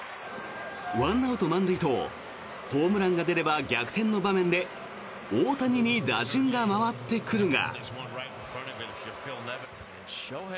１アウト満塁とホームランが出れば逆転の場面で大谷に打順が回ってくるが。